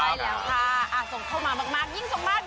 เย้